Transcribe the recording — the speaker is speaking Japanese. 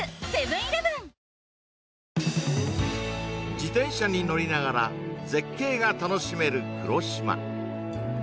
自転車に乗りながら絶景が楽しめる黒島